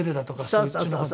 そっちの方の？